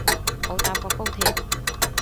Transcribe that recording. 冇搭過高鐵